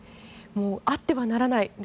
あってはならない。